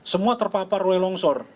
semua terpapar oleh longsor